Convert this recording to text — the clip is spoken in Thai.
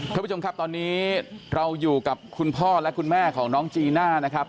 ท่านผู้ชมครับตอนนี้เราอยู่กับคุณพ่อและคุณแม่ของน้องจีน่านะครับ